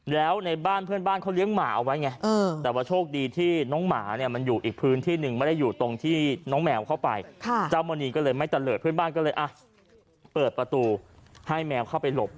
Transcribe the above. แล้วในบ้านเพื่อนบ้านเขาเลี้ยงหมาเอาไว้ไง